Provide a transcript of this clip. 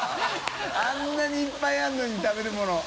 △鵑覆いっぱいあるのに食べるもの。